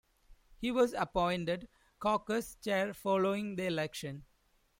He was appointed Caucus Chair following the election.